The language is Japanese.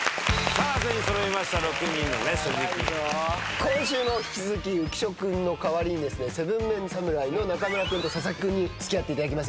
今週も引き続き浮所君の代わりに７ＭＥＮ侍の中村君と佐々木君に付き合っていただきます。